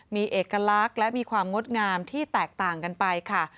มีเอกลักษณ์และมีความงดงามที่แตกต่างกันไปค่ะ